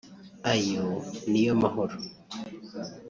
ayo niyo mahoro